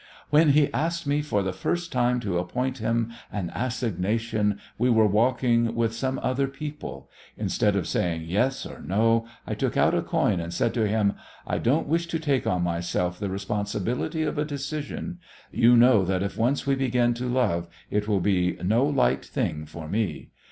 "When he asked me for the first time to appoint him an assignation we were walking with some other people. Instead of saying yes or no I took out a coin and said to him, 'I don't wish to take on myself the responsibility of a decision; you know that if once we begin to love it will be no light thing for me.